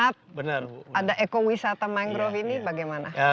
jadi untuk membuat mereka semangat ada eko wisata mangrove ini bagaimana